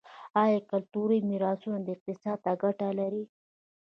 آیا کلتوري میراثونه اقتصاد ته ګټه لري؟